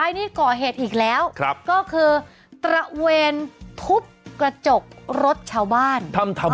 ไอ้ที่เรากั้นน่ะมันก็ทิ้งไว้เลยแต่มันเจาะตั้งนานน่ะ